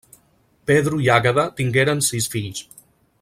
Pedro i Àgueda tingueren sis fills.